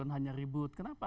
hanya ribut kenapa